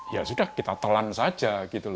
ya sudah kita telan saja